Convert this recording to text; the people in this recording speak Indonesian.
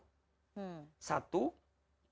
kita menerima sesuatu yang tidak terlalu baik